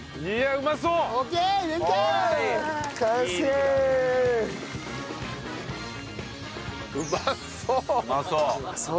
うまそう！